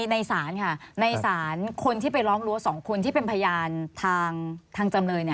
ในศาลค่ะในศาลคนที่ไปร้องรั้ว๒คนที่เป็นพยานทางจำเลย